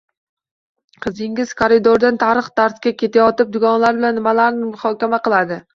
Qizingiz koridordan tarix darsiga ketayotib dugonalari bilan nimalarni muhokama qiladi.